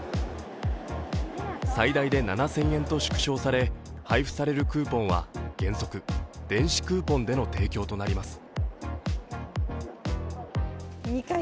最大で７０００円と縮小され配布されるクーポンは原則電子クーポンでの提供となります。